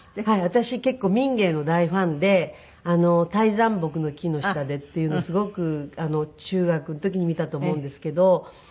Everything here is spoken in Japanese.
私結構民藝の大ファンで『泰山木の木の下で』っていうのすごく中学の時に見たと思うんですけど。